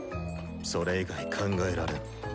それ以外考えられん。